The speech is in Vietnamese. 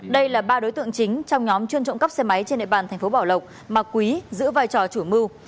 đây là ba đối tượng chính trong nhóm trộm cắp xe máy trên hệ bản tp bảo lộc mà quý giữ vai trò chủ mưu